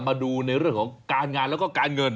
มาดูในเรื่องของการงานแล้วก็การเงิน